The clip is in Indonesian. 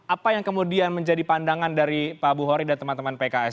apa yang kemudian menjadi pandangan dari pak buhori dan teman teman pks